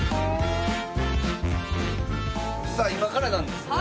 さあ今からなんですが。